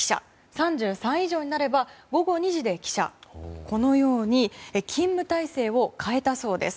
３３以上になれば午後２時で帰社と勤務体制を変えたそうです。